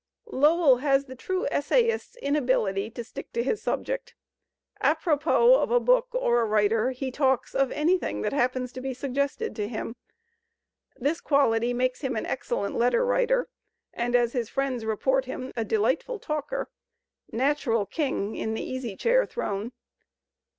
Lowell has the true essayist's inability to stick to his subject. Apropos of a book or a writer he talks of anything that happens to be suggested to him. This quality makes him an excellent letter writer and as his friends report him, a delightful talker, natural king in the easy chair throne.